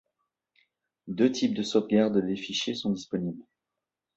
Deux types de sauvegarde des fichiers sont disponibles.